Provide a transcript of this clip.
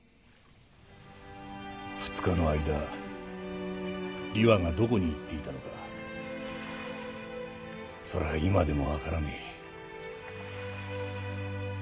２日の間里和がどこに行っていたのかそれは今でも分からねえ。